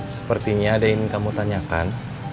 sepertinya ada yang ingin kamu tanyakan